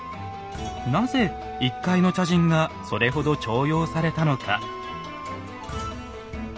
なぜ一介の茶人がそれほど重用されたのか。